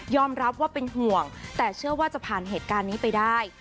รับว่าเป็นห่วงแต่เชื่อว่าจะผ่านเหตุการณ์นี้ไปได้